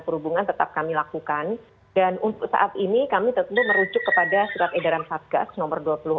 perhubungan tetap kami lakukan dan untuk saat ini kami tentu merujuk kepada surat edaran fatgas nomor